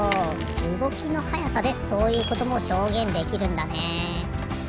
うごきのはやさでそういうこともひょうげんできるんだね。